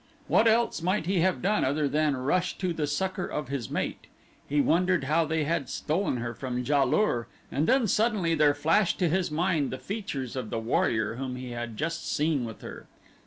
What else might he have done other than rush to the succor of his mate? He wondered how they had stolen her from Ja lur, and then suddenly there flashed to his mind the features of the warrior whom he had just seen with her.